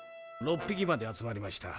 ６匹まで集まりました。